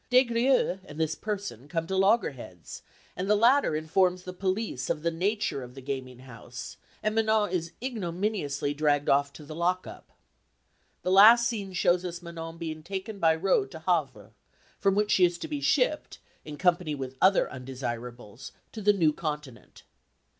Des Grieux and this person come to loggerheads, and the latter informs the police of the nature of the gaming house, and Manon is ignominiously dragged off to the lock up. The last scene shows us Manon being taken by road to Havre, from whence she is to be shipped, in company with other undesirables, to the New Continent.